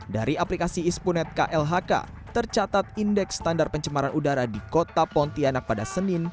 dari aplikasi ispunet klhk tercatat indeks standar pencemaran udara di kota pontianak pada senin